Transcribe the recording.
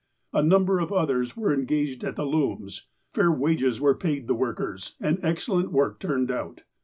A number of others were en gaged at the looms, fair wages were paid the workers, and excellent work turned out.